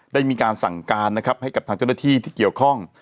ได้มีการสั่งการนะครับให้กับทางเจ้าหน้าที่ที่เกี่ยวข้อง